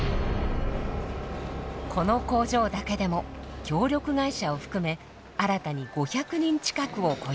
この工場だけでも協力会社を含め新たに５００人近くを雇用。